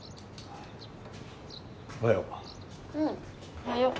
おはよう。